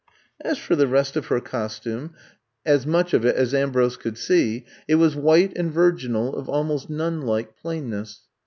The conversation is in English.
As for the rest of her costume, as much 14 I'VE COME TO STAY of it as Ambrose could see, it was white and virginal, of almost nun like plainness.